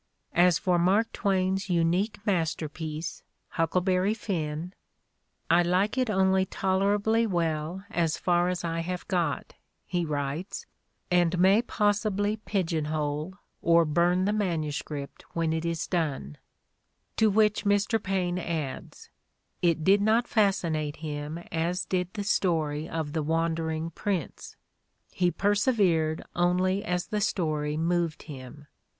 As for Mark Twain's unique mas terpiece, "Huckleberry Finn," "I like it only tolerably well, as far as I have got," he writes, "and may pos sibly pigeonhole or burn the MS. when it is done"; to which Mr. Paine adds: "It did not fascinate him as did the story of the wandering prince. He persevered only as the story moved him.